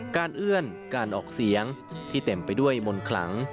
เอื้อนการออกเสียงที่เต็มไปด้วยมนต์ขลัง